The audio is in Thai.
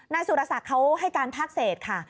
นายซูรสักเขาให้การพราบเศษค่ะ